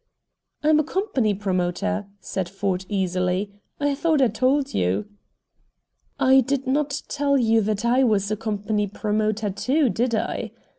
"I'm a company promoter," said Ford easily. "I thought I told you." "I did not tell you that I was a company promoter, too, did I?"